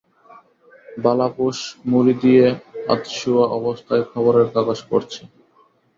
বালাপোশ-মুড়ি দিয়ে আধশোওয়া অবস্থায় খবরের কাগজ পড়ছে।